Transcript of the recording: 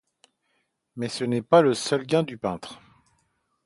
Mais ce n'était pas le seul gain du peintre.